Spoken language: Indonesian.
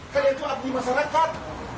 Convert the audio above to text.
kalian tuh abdi masyarakat